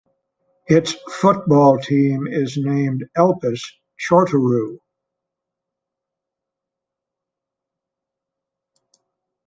Its football team is named Elpis Chorterou.